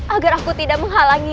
agar aku tidak menghalangi